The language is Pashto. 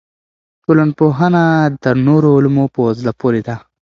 ټولنپوهنه تر نورو علومو په زړه پورې ده.